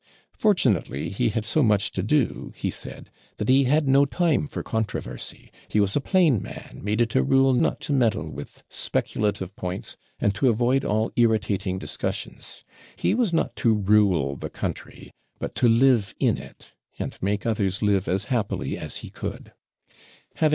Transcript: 'Fortunately, he had so much to do,' he said, 'that he had no time for controversy. He was a plain man, made it a rule not to meddle with speculative points, and to avoid all irritating discussions; he was not to rule the country, but to live in it, and make others live as happily as he could.'